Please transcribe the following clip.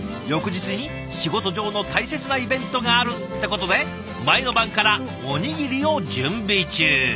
翌日に仕事上の大切なイベントがあるってことで前の晩からおにぎりを準備中。